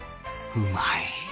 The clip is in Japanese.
うまい